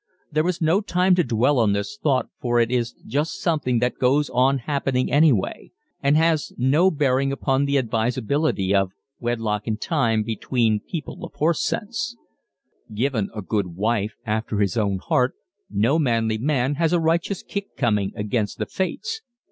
There is no time to dwell on this thought for it is just something that goes on happening anyway and has no bearing upon the advisability of "wedlock in time" between people of horse sense. Given a good wife, after his own heart, no manly man has a righteous kick coming against the fates.